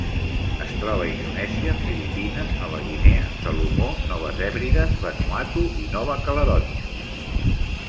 Es troba a Indonèsia, Filipines, Nova Guinea, Salomó, Noves Hèbrides, Vanuatu i Nova Caledònia.